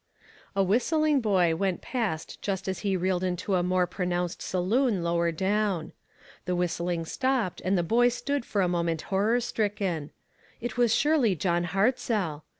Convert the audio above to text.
A whistling boy went past just as he reeled into a more pronounced saloon lower down. The whistling stopped, and the boy stood for a moment horror stricken. It was surely John Hartzell.